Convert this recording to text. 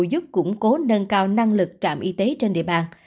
giúp củng cố nâng cao năng lực trạm y tế trên địa bàn